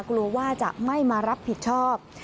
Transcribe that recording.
กลัวว่าจะไม่มารับผิดชอบ